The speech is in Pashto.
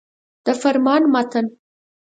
د فرمان متن.